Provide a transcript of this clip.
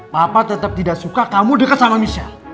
papa tetep tidak suka kamu deket sama michelle